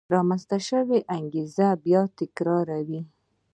رامنځته شوې انګېزې بیا تکرار وې.